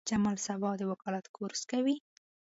جمال سبا د وکالت کورس کوي.